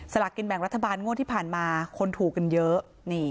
ละกินแบ่งรัฐบาลงวดที่ผ่านมาคนถูกกันเยอะ